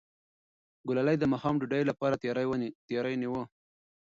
ګلالۍ د ماښام د ډوډۍ لپاره تیاری نیوه.